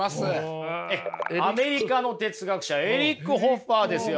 ええアメリカの哲学者エリック・ホッファーですよ。